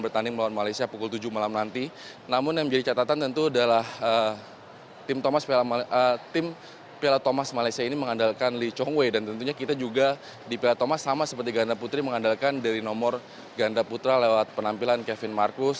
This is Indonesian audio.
tim piala thomas malaysia ini mengandalkan lee chong wei dan tentunya kita juga di piala thomas sama seperti ganda putri mengandalkan dari nomor ganda putra lewat penampilan kevin marcus